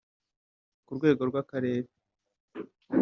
Ku rwego rw’akarere